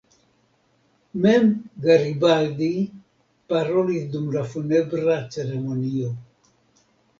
Mem Garibaldi parolis dum la funebra ceremonio.